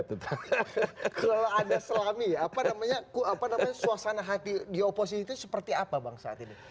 kalau ada selami apa namanya suasana di oposisi itu seperti apa bang saat ini